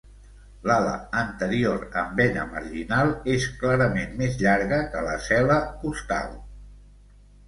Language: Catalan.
L'ala anterior amb vena marginal és clarament més llarga que la cel·la costal.